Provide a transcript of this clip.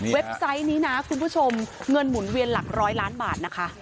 ไซต์นี้นะคุณผู้ชมเงินหมุนเวียนหลักร้อยล้านบาทนะคะ